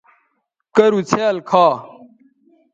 کرُو څھیال کھا